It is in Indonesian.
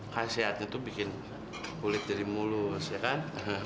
kan sehatnya tuh bikin kulit jadi mulus ya kan